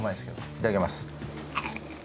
いただきます。